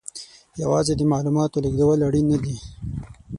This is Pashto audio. یوازې د معلوماتو لېږدول اړین نه دي.